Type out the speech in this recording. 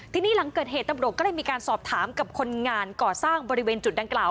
ทีนี้หลังเกิดเหตุตำรวจก็เลยมีการสอบถามกับคนงานก่อสร้างบริเวณจุดดังกล่าว